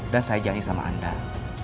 dan saya janji sama iqbal